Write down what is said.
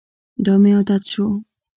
دا مې عادت شو.